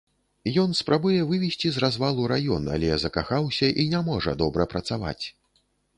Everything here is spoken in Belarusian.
Ён спрабуе вывесці з развалу раён, але закахаўся і не можа добра працаваць.